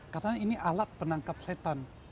katanya ini alat penangkap setan